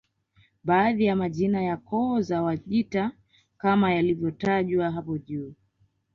Baadhi ya majina ya koo za Wajita kama yalivyotajwa hapo juu